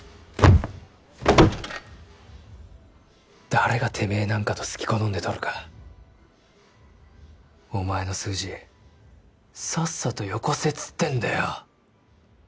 誰がてめぇなんかとすき好んで撮るかお前の数字さっさとよこせっつってんだよ